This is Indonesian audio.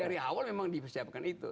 dari awal memang dipersiapkan itu